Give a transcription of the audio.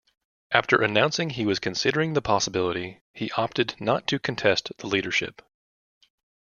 After announcing he was considering the possibility, he opted not to contest the leadership.